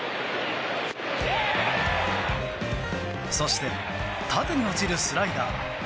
そして、縦に落ちるスライダー。